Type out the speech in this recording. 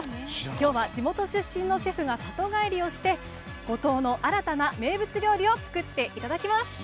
きょうは、地元出身のシェフが里帰りして五島の新たな名物料理を作っていただきます。